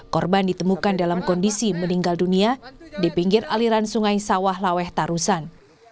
korban ditemukan dalam kondisi meninggal dunia di pinggir aliran sungai sawah laweh tarusan